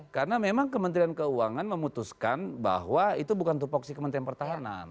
karena memang kementerian keuangan memutuskan bahwa itu bukan untuk voksi kementerian pertahanan